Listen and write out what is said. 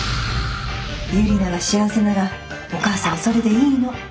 ユリナが幸せならお母さんそれでいいの。